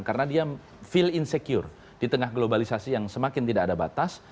karena dia feel insecure di tengah globalisasi yang semakin tidak ada batas